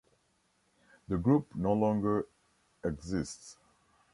The group no longer exists.